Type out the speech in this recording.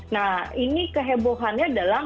nah ini kehebohannya adalah